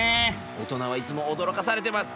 大人はいつもおどろかされてます。